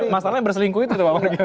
masalahnya berselingkuh itu pak margyono